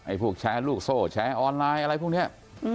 พวกแชร์ลูกโซ่แชร์ออนไลน์อะไรพวกนี้